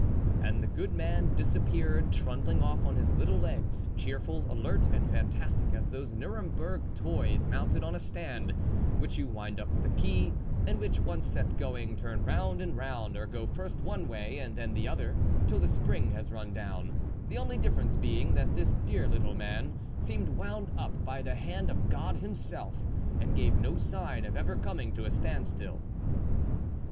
And the good man disappeared trundling off on his little legs, cheerful, alert and fantastic as those Nuremberg toys mounted on a stand, which you wind up with a key, and which, once set going, turn round and round, or go first one way and then the other, till the spring has run down ; the only difference being, that this dear little man seemed wound up by the hand of God himself, and gave no sign of ever coming to a standstill.